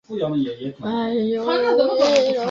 北附地菜是紫草科附地菜属的植物。